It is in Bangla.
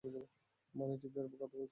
মানে, টিফের কথা বলছ?